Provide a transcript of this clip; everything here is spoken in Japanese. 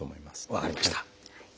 分かりました。